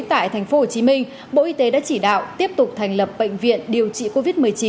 tại thành phố hồ chí minh bộ y tế đã chỉ đạo tiếp tục thành lập bệnh viện điều trị covid một mươi chín